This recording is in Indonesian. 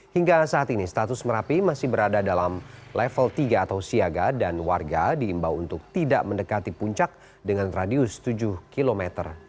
hingga saat ini status merapi masih berada dalam level tiga atau siaga dan warga diimbau untuk tidak mendekati puncak dengan radius tujuh km